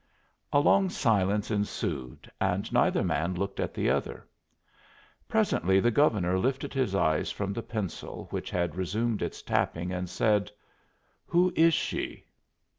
A long silence ensued and neither man looked at the other. Presently the Governor lifted his eyes from the pencil, which had resumed its tapping, and said: "Who is she?"